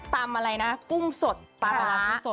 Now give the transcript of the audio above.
ตำอะไรนะกุ้งสดปลาร้ากุสด